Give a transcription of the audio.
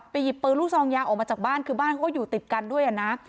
หยิบปืนลูกซองยาวออกมาจากบ้านคือบ้านเขาก็อยู่ติดกันด้วยนะ